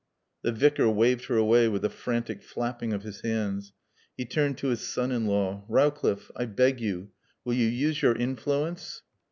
_" The Vicar waved her away with a frantic flapping of his hands. He turned to his son in law. "Rowcliffe I beg you will you use your influence?"